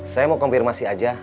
saya mau konfirmasi aja